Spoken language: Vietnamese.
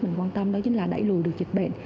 mình quan tâm đó chính là đẩy lùi được dịch bệnh